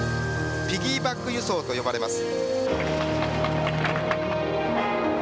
ピギーバック輸送と呼ばれます。